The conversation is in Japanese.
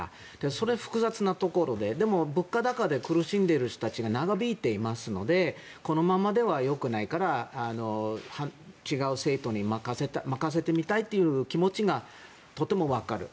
それ、複雑なところででも、物価高で苦しんでいる人たちが長引いていますのでこのままではよくないから違う政党に任せてみたいという気持ちがとてもわかる。